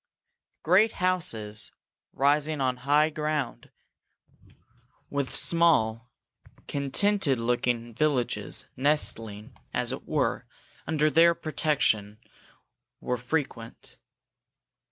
Great houses, rising on high ground, with small, contented looking villages nestling, as it were, under their protection, were frequent.